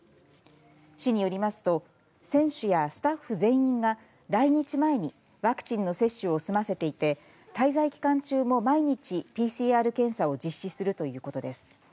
市によりますと選手やスタッフ全員が来日前にワクチンの接種を済ませていて滞在期間中も毎日ＰＣＲ検査を実施するということです。